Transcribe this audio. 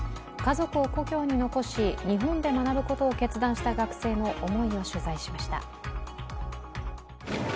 家族を故郷に残し、日本で学ぶことを決断した学生の思いを取材しました。